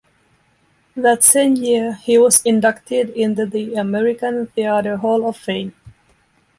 That same year, he was inducted into the American Theater Hall of Fame.